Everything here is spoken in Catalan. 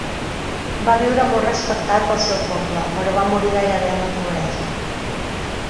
Va viure molt respectat pel seu poble, però va morir gairebé en la pobresa.